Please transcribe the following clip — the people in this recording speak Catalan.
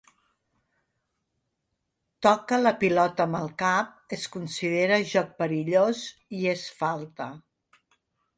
Toca la pilota amb el cap es considera joc perillós i és falta.